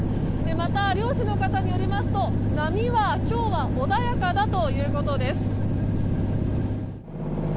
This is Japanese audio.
また、漁師の方によりますと波は、今日は穏やかだということです。